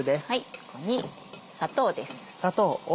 ここに砂糖です。